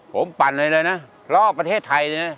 ผมปันไว้เลยนะรอบประเทศไทยนะ